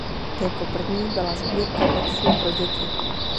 Jako první byla sbírka veršů pro děti.